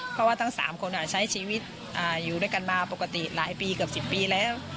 เพราะว่าทั้ง๓คนใช้ชีวิตอยู่ด้วยกันมาปกติหลายปีเกือบ๑๐ปีแล้ว